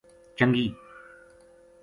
چنگی